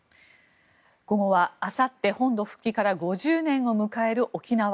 午後はあさって本土復帰から５０年を迎える沖縄。